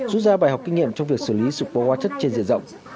rút ra bài học kinh nghiệm trong việc xử lý sự cố hóa chất trên diện rộng